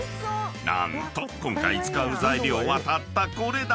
［何と今回使う材料はたったこれだけ］